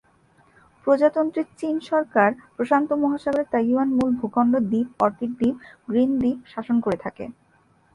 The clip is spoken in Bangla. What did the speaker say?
প্রজাতন্ত্রী চীন সরকার প্রশান্ত মহাসাগরের তাইওয়ান মূল ভূখণ্ড-দ্বীপ, অর্কিড দ্বীপ, গ্রিন দ্বীপ শাসন করে থাকে।